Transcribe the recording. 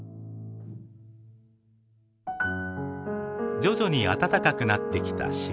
徐々に暖かくなってきた４月。